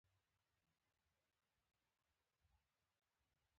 دا د خپلو تولیداتو لپاره د ونې په توګه کار واخیستل شول.